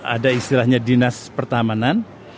ada istilahnya dinas pertamanan